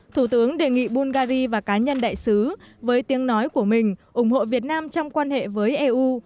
thủ tướng đề nghị bulgari và cá nhân đại sứ với tiếng nói của mình ủng hộ việt nam trong quan hệ với eu